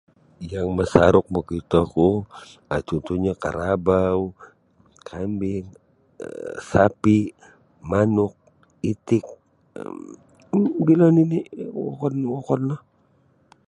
Yang masaruk mokitoku um cuntuhnyo karabau kambing um sapi' manuk itik um mogilo nini' wokon-wokon no.